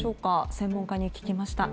専門家に聞きました。